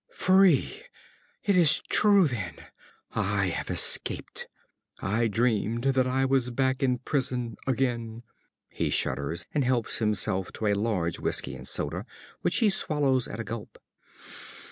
_) Free! It is true, then! I have escaped! I dreamed that I was back in prison again! (_He shudders and helps himself to a large whisky and soda, which he swallows at a gulp.